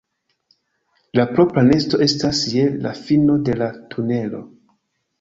La propra nesto estas je la fino de la tunelo.